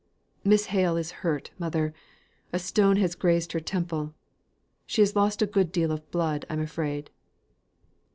"Miss Hale is hurt, mother. A stone has grazed her temple. She has lost a good deal of blood, I'm afraid."